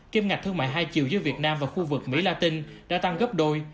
kiếm ngạch thương mại hai triệu giữa việt nam và khu vực mỹ la tinh đã tăng gấp đôi